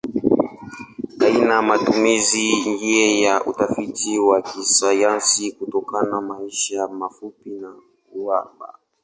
Haina matumizi nje ya utafiti wa kisayansi kutokana maisha mafupi na uhaba.